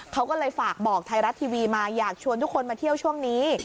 เขาก็เลยฝากบอกไทยรัฐทีวีมาอยากชวนทุกคนมาเที่ยวช่วงนี้